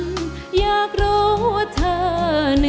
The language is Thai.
เพลงแรกของเจ้าเอ๋ง